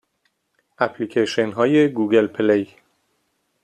اپلیکیشن های گوگل پلی